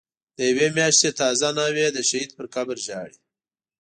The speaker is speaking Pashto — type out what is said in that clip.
د یوی میاشتی تازه ناوی، دشهید پر قبرژاړی